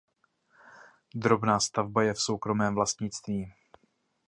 Drobná stavba je v soukromém vlastnictví.